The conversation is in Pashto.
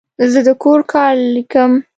زه د کور کار لیکم.